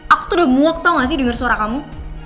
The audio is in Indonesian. aku tuh udah muak tau gak sih dengar suara kamu